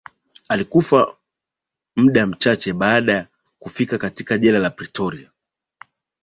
Alikufa mda mchache baada ya kufika katika jela ya Pretoria